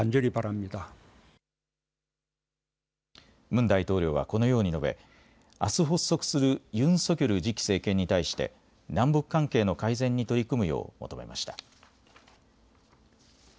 ムン大統領はこのように述べあす発足するユン・ソギョル次期政権に対して南北関係の改善に取り組むよう求めました。